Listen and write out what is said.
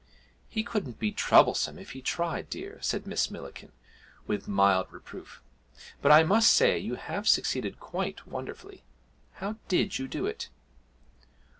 'He couldn't be troublesome if he tried, dear,' said Miss Millikin with mild reproof; 'but I must say you have succeeded quite wonderfully how did you do it?'